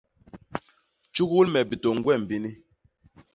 Tjugul me bitôñ gwem bini.